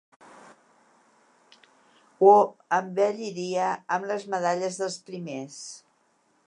Ho embelliria amb les medalles dels primers.